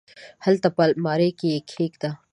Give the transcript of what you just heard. هلته په المارۍ کي یې کښېږده !